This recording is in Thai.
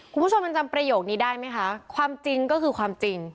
คุณผู้ชมยังจำประโยคนี้ได้ไหมคะความจริงก็คือความจริง